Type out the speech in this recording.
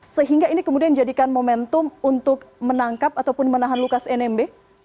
sehingga ini kemudian dijadikan momentum untuk menangkap ataupun menahan lukas nmb